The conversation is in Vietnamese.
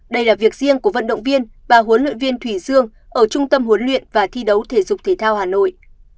đây là việc riêng của vận động viên bà huấn luyện viên thủy dương ở trung tâm huấn luyện và thi đấu thể dục thể thao hà nội